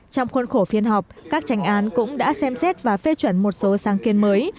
trong khuôn khổ phiên họp các tranh án cũng đã xem xét và phê chuẩn một số sáng kiến mới